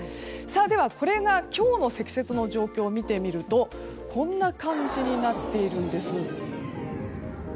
これが今日の積雪の状況を見てみるとこんな感じになっているんです。